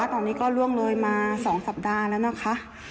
ตอนนี้ก็ล่วงเลยมา๒สัปดาห์แล้วนะคะ